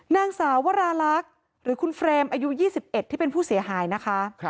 นางสาววราลักษณ์หรือคุณเฟรมอายุ๒๑ที่เป็นผู้เสียหายนะคะ